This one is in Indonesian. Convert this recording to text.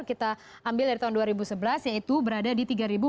kita ambil dari tahun dua ribu sebelas yaitu berada di tiga empat ratus dua puluh enam